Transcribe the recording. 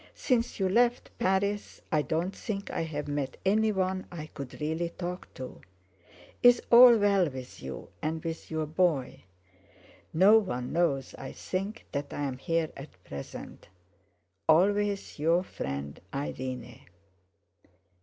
Since you left Paris I don't think I have met anyone I could really talk to. Is all well with you and with your boy? No one knows, I think, that I am here at present. "Always your friend, "IRENE."